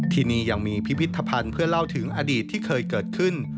ที่นี่ยังมีพิพิธภัณฑ์เพื่อเล่าถึงอดีตที่เคยเกิดขึ้น